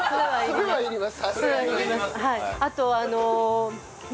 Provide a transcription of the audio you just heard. それはいります。